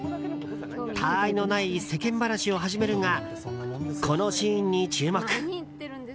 たわいのない世間話を始めるがこのシーンに注目。